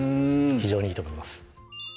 非常にいいと思います